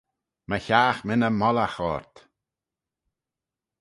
My hiaght mynney mollagh ort.